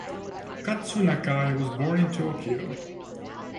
Katsu Nakai was born in Tokyo.